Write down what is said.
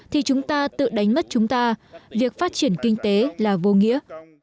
thì chúng ta tự đánh mất chúng ta việc phát triển kinh tế là vô nghĩa